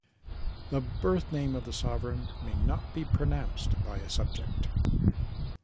The birth-name of the sovereign may not be pronounced by a subject.